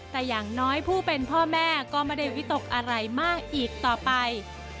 แต่อย่างน้อยผู้เป็นพ่อแม่ก็ไม่ได้วิตกอะไรมากอีกต่อไป